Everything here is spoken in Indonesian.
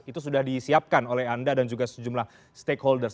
itu sudah disiapkan oleh anda dan juga sejumlah stakeholders